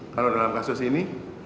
kalau dalam kasus ini